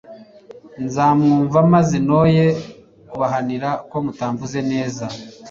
nzamwumva, maze noye kubahanira ko mutamvuze neza